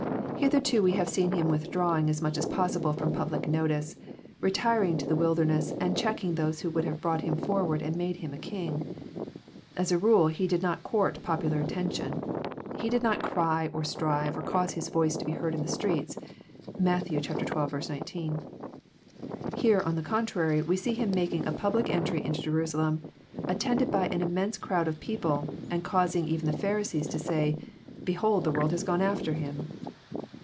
Hitherto we have seen Him withdrawing as much as possible from public notice, retiring into the wilderness, and checking those who would have brought Him forward and made Him a king. As a rule He did not court popular attention. He did not ^^cry or strive, or cause His voice to be heard in the streets. (Matt. 2.1!. 19.) Here, on the contrary, we see Him making a public entry into Jerusalem, attended by an immense crowd of people, and causing even the Pharisees to say, ^* Behold, the world has gone after Him."